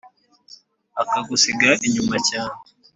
akagusiga inyuma cyane.